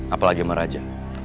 apalagi sama raja